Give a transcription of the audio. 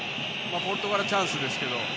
ポルトガル、チャンスですけど。